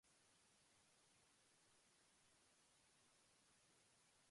If there was a robot that could do my homework, that would be fantastic.